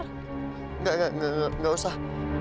enggak enggak enggak enggak usah